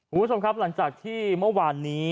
คุณผู้ชมครับหลังจากที่เมื่อวานนี้